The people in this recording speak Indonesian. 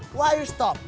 kenapa kamu berhenti